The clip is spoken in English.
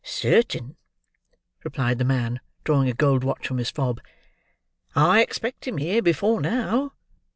"Certain," replied the man, drawing a gold watch from his fob; "I expected him here before now.